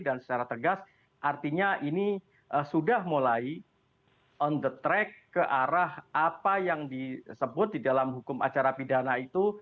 dan secara tegas artinya ini sudah mulai on the track ke arah apa yang disebut di dalam hukum acara pidana itu